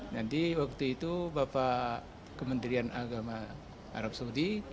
nanti waktu itu bapak kementerian agama arab saudi